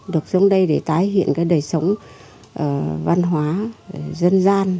được xuống đây để tái hiện cái đời sống văn hóa dân gian